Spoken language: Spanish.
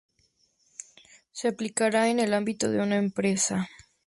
Se aplica en el ámbito de una empresa.